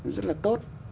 rất là tốt